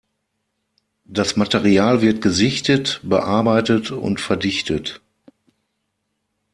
Das Material wird gesichtet, bearbeitet und verdichtet.